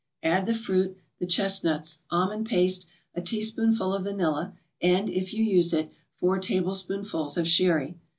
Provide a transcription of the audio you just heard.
Add the fruit, the chestnuts, almond paste, a teaspoonful of vanilla and, if you use it, four tablespoonfuls of sherry.